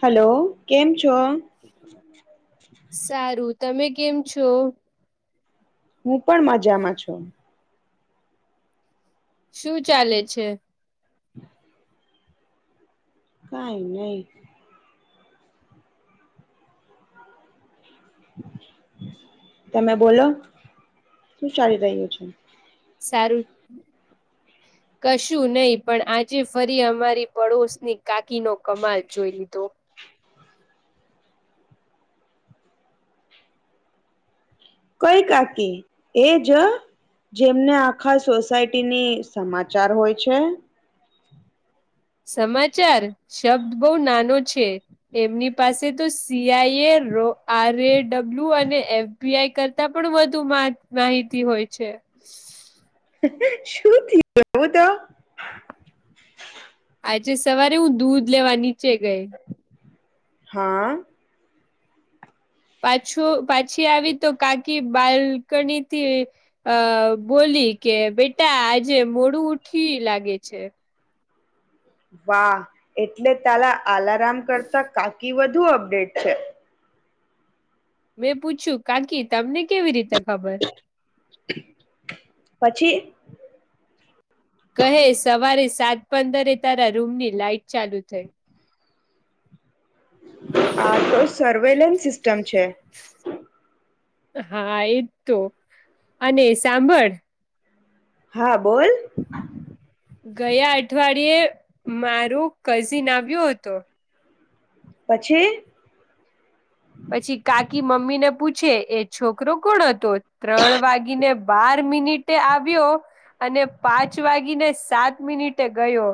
હાલો કેમ છો? સારુ તમે કેમ છો? હું પણ મજામાં છુ શુ ચાલે છે? [inaudible] કાઈ નય તમે બોલો શું ચાલી રહ્યું છે? સારું. [inaudible] કશું નઈ પણ આજે ફરી અમારી પડોશની કાકીનો કમાલ જોઈ લીધો કઈ કાકી એ જ જેમને આખા સોસાયટીની સમાચાર હોય છે. સમાચાર શબ્દ બો નાનો છે. એમની પાસે તો CI A row R A W અને એફબીઆઈ કરતા પણ વધુ માટ મા માહિતી હોય છે. શું થીયુ [unintelligible] તો આજે સવારે હું દૂદ લેવા નીચે ગઈ હાં. પાછું પાછી આવી તો કાકી બાલકનીથી અ બોલી કે બેટા આજે મોડું ઉઠી લાગે છે. વાહ એટલે તાલા આલારમ કરતા કાકી વધુ અપડેટ છે. મેં પૂછ્યું કાકી તમને કેવી રીત પછી કહે સવારે સાત પંદરે તારા રૂમની લાઈટ ચાલુ થઈ આ તો સર્વેલન સિસ્ટમ છે. હા એ જ તો અને સાંભળ હા બોલ. ગયા અઠવાળીયે મારું કઝિન આવ્યો હતો. પછી પછી કાકી મમ્મી ને પૂછે એ છોકરો કોણ હતો? ત્રણ વાગીને બાર મિનિટે આવ્યો અને પાંચ વાગી ને સાત મિનિટે ગયો.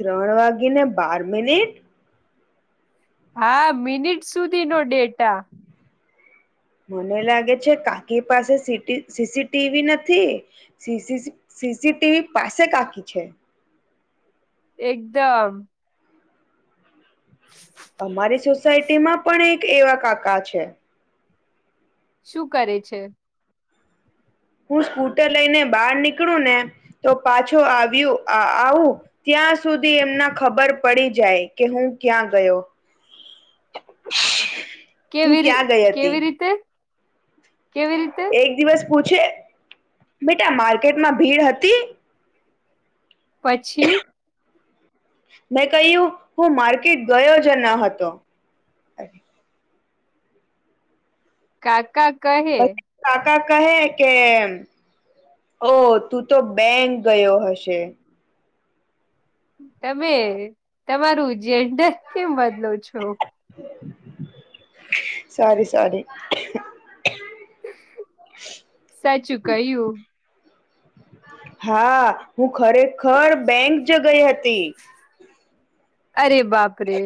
ત્રણ વાગી ને બાર મિનિટ હા મિનિટ સુધી નો ડેટા [inaudible] મને લાગે છે કાકી પાસે સીટી સીસીટીવી નથી. સીસીસી સીટીવી પાસે કાકી છે. એકદમ [inaudible] અમારી સોસાયટી માં પણ એક એવા કાકા છે. શું કરે છે? હું સ્કૂટર લઈને બાર નીકળું ને તો પાછો આવ્યું આ આવું. ત્યાં સુધી એમના ખબર પડી જાય કે હું ક્યાં ગયો? [inaudible] કેવી રીત ક્યાં ગઈ હતી કેવી રીતે કેવી રીતે? એક દિવસ પૂછે બેટા માકેટમાં ભીડ હતી? પછી મેં કહ્યું હું માર્કેટ ગયો જ ન હતો. કાકા કહે પછી કાકા કહે કે ઓ તું તો બેંક ગયો હશે. તમે તમારું જેન્ડર કેમ બદલો છો. સોરી સોરી સાચું કહ્યું. હા હું ખરેખર બેંક જ ગઇ હતી. અરે બાપરે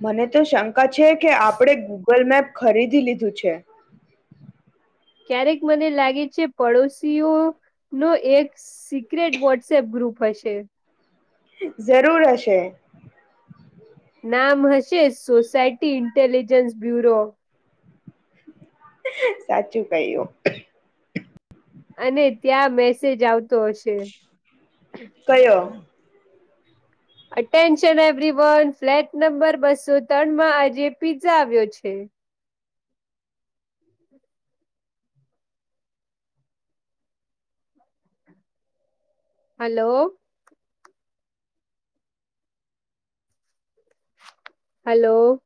મને તો શંકા છે કે આપણે ગૂગલ મેપ ખરીદી લીધું છે. ક્યારેક મને લાગે છે પડોશીઓનો એક્સ સિક્રેટ વોટ્સએપ ગ્રુપ હશે. ઝરૂર હશે. નામ હશે સોસાયટી ઇન્ટેલિજન્સ બ્યુરો. સાચું કહ્યું. અને ત્યાં મેસેજ આવતો હશે. કયો? Attention every one flat number બસો ત્રણમાં આજે પીઝા આવ્યો છે. Hello hello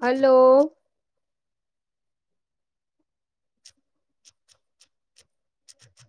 hello [inaudible]